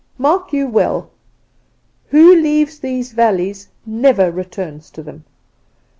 "'Mark you well who leaves these valleys never returns to them.